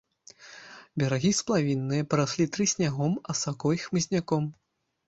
Берагі сплавінныя, параслі трыснягом, асакой, хмызняком.